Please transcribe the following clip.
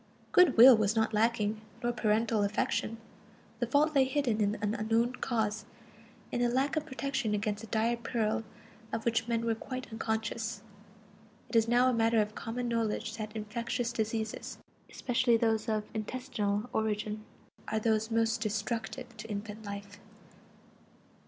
Good will was not lacking, nor parental affection; the fault lay hidden in an unknown cause, in a lack of protection against a dire peril of which men were quite unconscious. It is now a matter of common knowledge that infectious diseases, especially those of intestinal origin, are those most destructive to infant life.